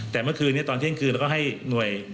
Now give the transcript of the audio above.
แต่เมื่อคืนนี้ตอนเที่ยงคืนเราก็ให้หน่วย